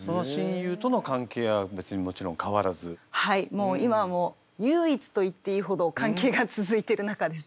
もう今も唯一と言っていいほど関係が続いてる仲です。